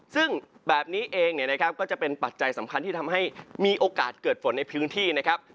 ซึ่งแบบนี้เองเนี่ยนะครับก็จะเป็นปัจจัยสำคัญที่ทำให้มีโอกาสเกิดฝนในพื้นที่นะครับ